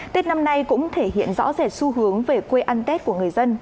tết năm nay cũng thể hiện rõ rệt xu hướng về quê ăn tết của người dân